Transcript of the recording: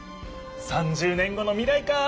３０年後の未来か。